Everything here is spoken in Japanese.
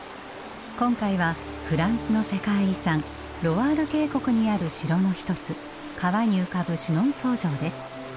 今回はフランスの世界遺産ロワール渓谷にある城の一つ川に浮かぶシュノンソー城です。